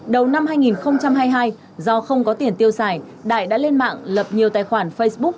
đầu năm hai nghìn hai mươi hai do không có tiền tiêu xài đại đã lên mạng lập nhiều tài khoản facebook